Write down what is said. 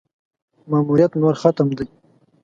ماموریت نور ختم دی.